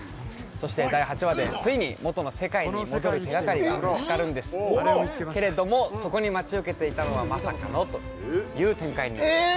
そして第８話でついに元の世界に戻る手がかりが見つかるんですけれどもそこに待ち受けていたのはまさかのという展開になっております